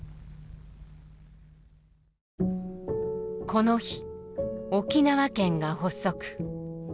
この日沖縄県が発足。